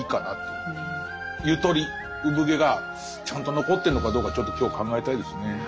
ゆとり生ぶ毛がちゃんと残ってるのかどうかちょっと今日考えたいですね。